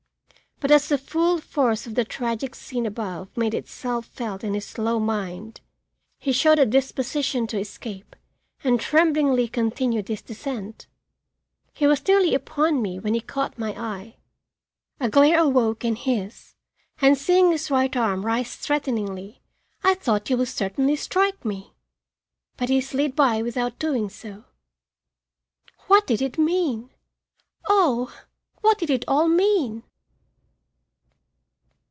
But as the full force of the tragic scene above made itself felt in his slow mind, he showed a disposition to escape and tremblingly continued his descent. He was nearly upon me when he caught my eye. A glare awoke in his, and seeing his right arm rise threateningly, I thought he would certainly strike me. But he slid by without doing so. What did it mean? Oh, what did it all mean?